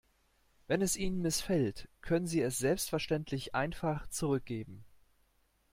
Wenn es Ihnen missfällt, können Sie es selbstverständlich einfach zurückgeben.